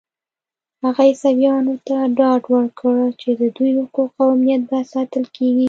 هغه عیسویانو ته ډاډ ورکړ چې د دوی حقوق او امنیت به ساتل کېږي.